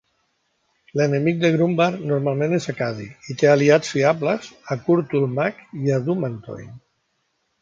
L'enemic de Grumbar normalment és Akadi, i té aliats fiables a Kurtulmak i Dumathoin.